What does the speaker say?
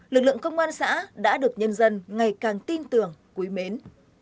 lực lượng công an xã đã được nhân dân ngày càng tin tưởng quý mến